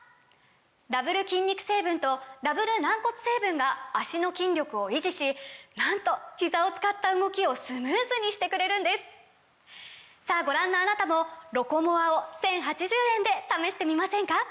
ダブル筋肉成分とダブル軟骨成分が脚の筋力を維持しなんとひざを使った動きをスムーズにしてくれるんですさぁご覧のあなたも「ロコモア」を１，０８０円で試してみませんか！